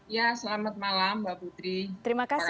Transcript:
ya selamat malam mbak putri